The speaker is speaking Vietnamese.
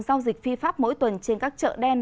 giao dịch phi pháp mỗi tuần trên các chợ đen